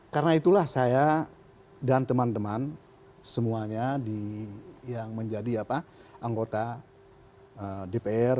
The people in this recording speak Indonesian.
karena itulah saya dan teman teman semuanya yang menjadi anggota dpr